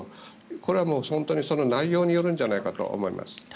これはもう本当にその内容によるんじゃないかと思います。